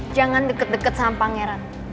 jangan deket deket sama pangeran